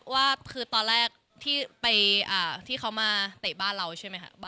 ว่าคือตอนแรกที่ไปที่เขามาเตะบ้านเราใช่ไหมคะ